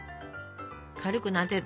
軽くなでる。